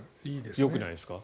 よくないですか？